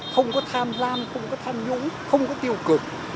không có tham giam không có tham nhũng không có tiêu cực